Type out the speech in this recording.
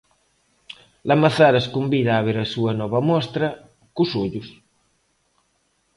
Lamazares convida a ver a súa nova mostra "cos ollos".